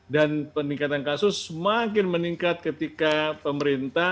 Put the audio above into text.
dan peningkatan kasus semakin meningkat ketika pemerintah